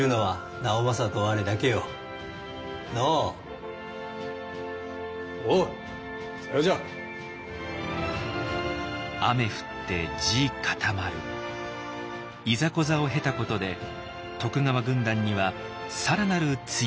いざこざを経たことで徳川軍団には更なる強い絆が生まれました。